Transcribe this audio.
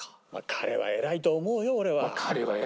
彼は偉いと思うよ俺は。